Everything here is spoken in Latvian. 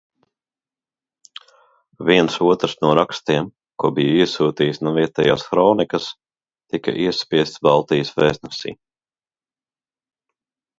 Viens otrs no rakstiem, ko biju iesūtījis no vietējās hronikas, tika iespiests Baltijas Vēstnesī.